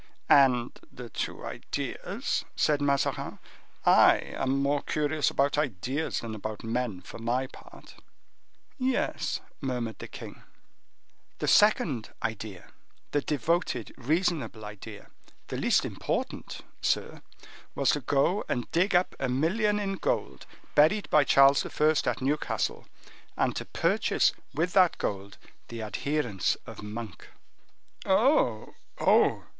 "And the two ideas," said Mazarin;—"I am more curious about ideas than about men, for my part." "Yes," murmured the king. "The second idea, the devoted, reasonable idea—the least important, sir—was to go and dig up a million in gold, buried by King Charles I. at Newcastle, and to purchase with that gold the adherence of Monk." "Oh, oh!"